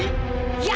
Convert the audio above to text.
lanjam mulut kamu